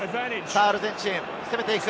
アルゼンチン、攻めていく。